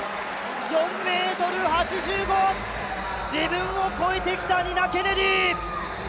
４ｍ８５、自分を超えてきたニナ・ケネディ。